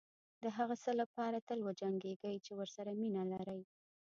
دهغه څه لپاره تل وجنګېږئ چې ورسره مینه لرئ.